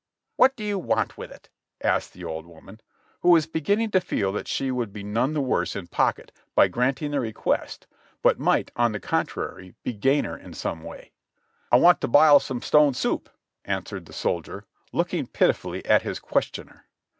"What do you want with it?" asked the old woman, who was beginning to feel that she would be none the worse in pocket by THE battle; of sharpsburg 285 granting the request, but might, on the contrary, be gainer in some way. "I want to bile some stone soup," answered the soldier, looking pitifully at his questioner.